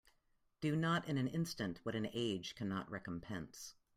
Do not in an instant what an age cannot recompense.